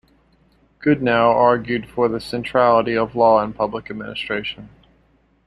Goodnow argued for the centrality of law in public administration.